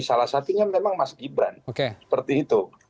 salah satunya memang mas gibran seperti itu